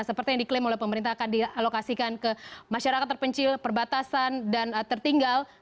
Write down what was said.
seperti yang diklaim oleh pemerintah akan dialokasikan ke masyarakat terpencil perbatasan dan tertinggal